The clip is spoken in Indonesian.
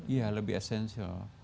iya lebih esensial